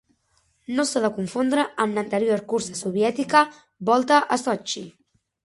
No s'ha de confondre amb l'anterior cursa soviètica Volta a Sotxi.